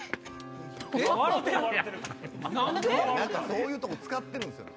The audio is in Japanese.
そういうとこ使ってるんすよ。